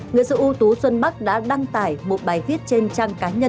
người sự ưu tú xuân bắc đã đăng tải một bài viết trên trang cánh